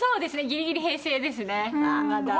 ギリギリ平成ですねまだ。